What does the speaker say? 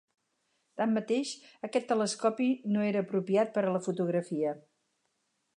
Tanmateix, aquest telescopi no era apropiat per a la fotografia.